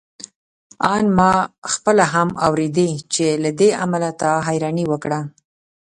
آن ما خپله هم اورېدې چې له دې امله تا حيراني وکړه.